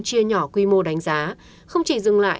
chia nhỏ quy mô đánh giá không chỉ dừng lại